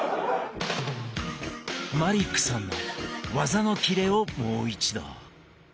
マリックさんの技のキレをもう一度。